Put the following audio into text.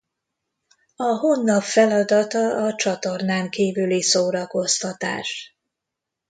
A honlap feladata a csatornán kívüli szórakoztatás.